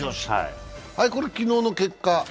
これ、昨日の結果。